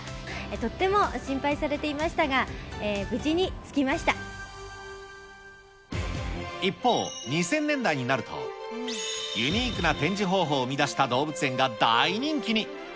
とっても心配されていましたが、一方、２０００年代になると、ユニークな展示方法を生み出した動物園が大人気に。